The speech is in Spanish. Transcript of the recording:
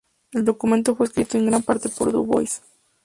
El documento fue escrito en gran parte por Du Bois.